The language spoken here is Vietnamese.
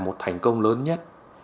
và một thành công lớn nhất